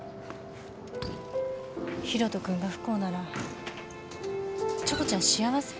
広斗君が不幸ならチョコちゃん幸せ？